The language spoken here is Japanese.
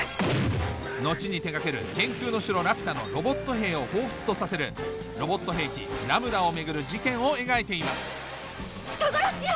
後に手掛ける『天空の城ラピュタ』のロボット兵を彷彿とさせるロボット兵器・ラムダを巡る事件を描いています人殺しよ！